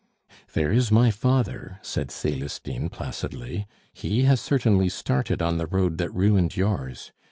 "There is my father!" said Celestine placidly. "He has certainly started on the road that ruined yours.